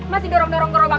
masih dorong dorong kerobak